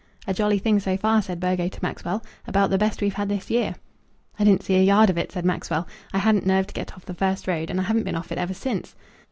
"A jolly thing so far," said Burgo to Maxwell; "about the best we've had this year." "I didn't see a yard of it," said Maxwell. "I hadn't nerve to get off the first road, and I haven't been off it ever since."